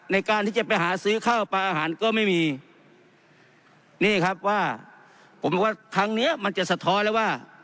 ในการที่จะไปหาซื้อข้าวปลาอาหารก็ไม่มีนี่ครับว่าผมบอกว่าครั้งเนี้ยมันจะสะท้อนแล้วว่า